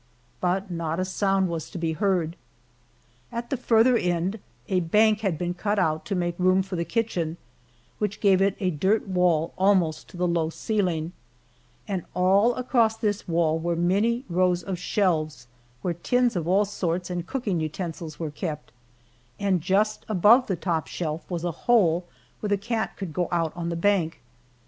But not a sound was to be heard. At the farther end a bank had been cut out to make room for the kitchen, which gave it a dirt wall almost to the low ceiling, and all across this wall were many rows of shelves where tins of all sorts and cooking utensils were kept, and just above the top shelf was a hole where the cat could go out on the bank.